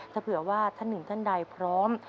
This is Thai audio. ถ้าเผื่อว่าท่านหนึ่งท่านใดพร้อม